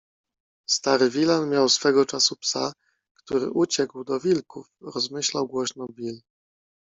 - Stary Villan miał swego czasu psa, który uciekł do wilków - rozmyślał głośno Bill.-